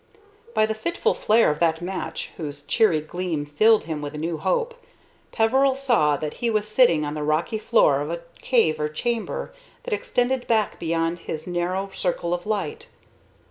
By the fitful flare of that match, whose cheery gleam filled him with a new hope, Peveril saw that he was sitting on the rocky floor of a cave or chamber that extended back beyond his narrow circle of light.